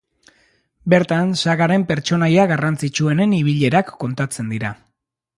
Bertan sagaren pertsonaia garrantzitsuenen ibilerak kontatzen dira.